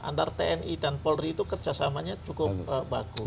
antara tni dan polri itu kerjasamanya cukup bagus